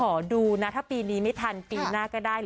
ขอดูนะถ้าปีนี้ไม่ทันปีหน้าก็ได้